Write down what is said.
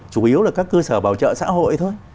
chủ yếu là các cơ sở bảo trợ xã hội thôi